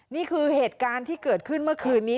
นี่คือเหตุการณ์ที่เกิดขึ้นเมื่อคืนนี้